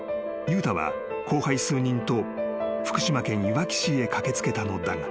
悠太は後輩数人と福島県いわき市へ駆け付けたのだが］